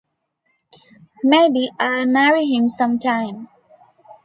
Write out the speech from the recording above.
Maybe I'll marry him some time.